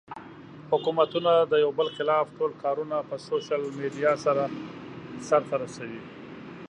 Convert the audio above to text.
حکومتونه د يو بل خلاف ټول کارونه پۀ سوشل ميډيا سر ته رسوي